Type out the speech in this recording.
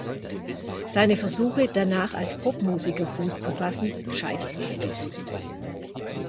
Seine Versuche, danach als Popmusiker Fuß zu fassen, scheiterten jedoch.